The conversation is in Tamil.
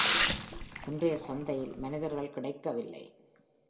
இன்றைய சந்தையில் மனிதர்கள் கிடைக்கவில்லை.